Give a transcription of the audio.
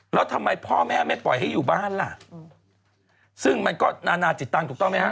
แล้วทำไมพ่อแม่ไม่ปล่อยให้อยู่บ้านล่ะซึ่งมันก็นานาจิตตังค์ถูกต้องไหมฮะ